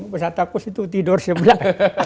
bersama santa cruz itu tidur sebelah